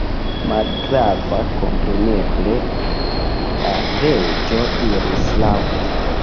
"Malgrava, kompreneble," la Reĝo diris laŭte.